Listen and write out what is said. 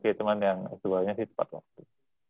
kayak teman yang dua duanya sih tempat waktu